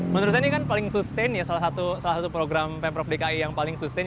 menurut saya ini kan paling sustain ya salah satu program pemprov dki yang paling sustain